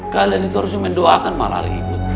kalian itu harus cuma doakan malah lagi